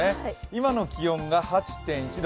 今の気温が８．１度。